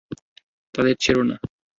তাদের ছেড়ো না।